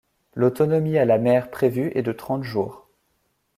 L'autonomie à la mer prévue est de trente jours.